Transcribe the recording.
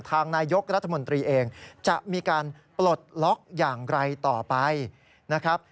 ทางนายกรัฐมนตรีเองจะมีการปลดล็อกอย่างไรต่อไปนะครับ